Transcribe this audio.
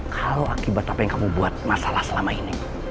kalau akibat apa yang kamu buat masalah selama ini